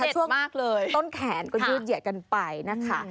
เจ็ดมากเลยถ้าช่วงต้นแขนก็ยืดเหยียดกันไปนะคะ